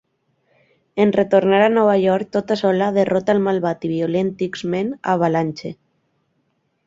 En retornar a Nova York, tota sola derrota el malvat i violent X-Man Avalanche.